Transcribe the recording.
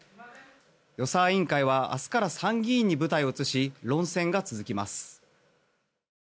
予算委員会は明日から参議院に舞台を移し論戦が続きます。